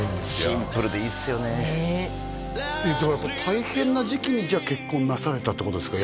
シンプルでいいっすよねだから大変な時期にじゃあ結婚なされたってことですか？